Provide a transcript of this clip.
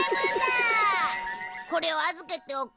これを預けておく。